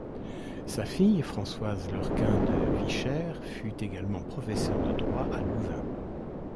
Sa fille Françoise Leurquin-De Visscher fut également professeur de droit à Louvain.